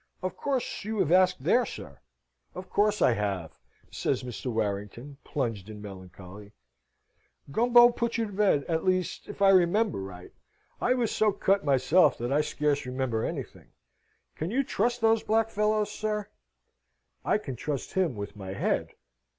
Of course you have asked there, sir?" "Of course I have," says Mr. Warrington, plunged in melancholy. "Gumbo put you to bed at least, if I remember right. I was so cut myself that I scarce remember anything. Can you trust those black fellows, sir?" "I can trust him with my head.